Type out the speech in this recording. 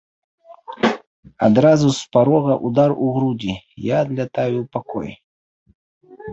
Адразу з парога ўдар у грудзі, я адлятаю ў пакой.